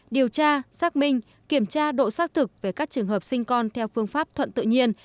điều tra xác minh kiểm tra độ xác thực về các trường hợp sinh con theo phương pháp thuận tự nhiên